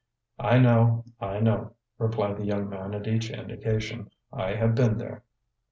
"I know, I know," replied the young man at each indication. "I have been there."